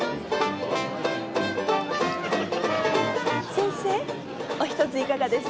先生お１ついかがです？